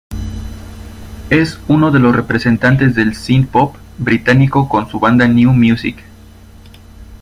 Es uno de los representantes del synthpop británico con su banda New Musik.